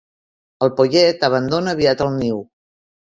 El pollet abandona aviat el niu.